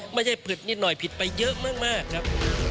ไม่ใช่ผิดนิดหน่อยผิดไปเยอะมากครับ